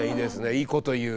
いいこと言う。